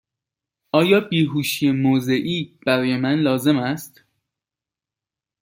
آیا بیهوشی موضعی برای من لازم است؟